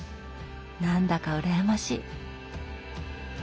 何だか羨ましい。